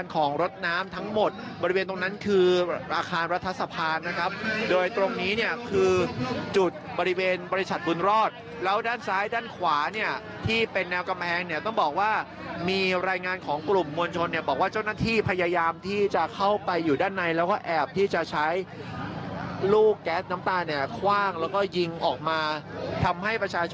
ของรถน้ำทั้งหมดบริเวณตรงนั้นคืออาคารรัฐสภานะครับโดยตรงนี้เนี่ยคือจุดบริเวณบริษัทบุญรอดแล้วด้านซ้ายด้านขวาเนี่ยที่เป็นแนวกำแพงเนี่ยต้องบอกว่ามีรายงานของกลุ่มมวลชนเนี่ยบอกว่าเจ้าหน้าที่พยายามที่จะเข้าไปอยู่ด้านในแล้วก็แอบที่จะใช้ลูกแก๊สน้ำตาเนี่ยคว่างแล้วก็ยิงออกมาทำให้ประชาชน